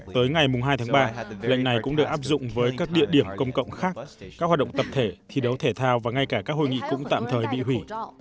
tới ngày hai tháng ba lệnh này cũng được áp dụng với các địa điểm công cộng khác các hoạt động tập thể thi đấu thể thao và ngay cả các hội nghị cũng tạm thời bị hủy